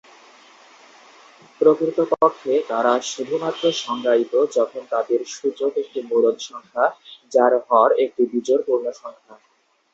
প্রকৃতপক্ষে, তারা শুধুমাত্র সংজ্ঞায়িত যখন তাদের সূচক একটি মূলদ সংখ্যা, যার হর একটি বিজোড় পূর্ণ সংখ্যা।